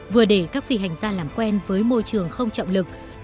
vừa để các phi hành gia làm quen với môi trường không trọng lực